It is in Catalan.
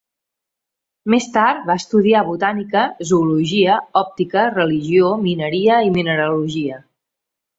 Més tard va estudiar botànica, zoologia, òptica, religió, mineria i mineralogia.